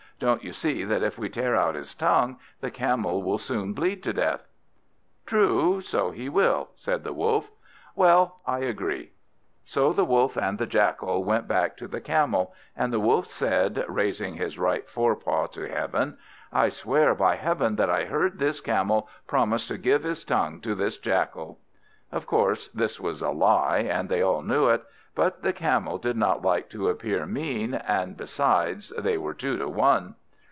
Don't you see that if we tear out his tongue, the Camel will soon bleed to death." "True, so he will," said the Wolf. "Well, I agree." So the Wolf and the Jackal went back to the Camel, and the Wolf said, raising his right forepaw to heaven "I swear by heaven that I heard this Camel promise to give his tongue to this Jackal." Of course this was a lie, and they all knew it; but the Camel did not like to appear mean, and besides, they were two to one.